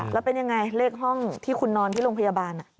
แล้วเป็นยังไงเลขห้องที่คุณนอนที่โรงพยาบาล